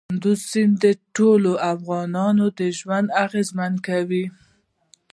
کندز سیند د ټولو افغانانو ژوند اغېزمن کوي.